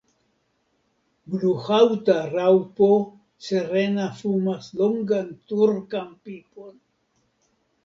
Bluhaŭta raŭpo serene fumas longan turkan pipon.